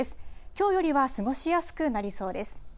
きょうよりは過ごしやすくなりそうです。